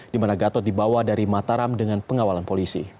di mana gatot dibawa dari mataram dengan pengawalan polisi